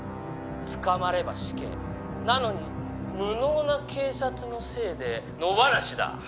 捕まれば死刑なのに無能な警察のせいで野放しだ